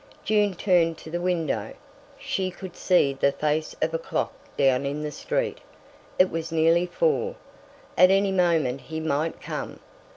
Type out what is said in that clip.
June turned to the window. She could see the face of a clock down in the street. It was nearly four. At any moment he might come!